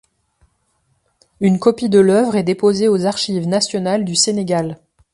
Une copie de l'œuvre est déposée aux Archives nationales du Sénégal.